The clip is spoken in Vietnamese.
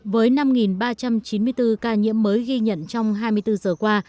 với năm ba trăm chín mươi bốn ca nhiễm mới ghi nhận trong hai mươi bốn giờ qua